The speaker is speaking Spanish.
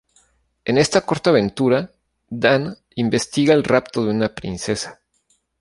En esta corta aventura Dan investiga el rapto de una princesa.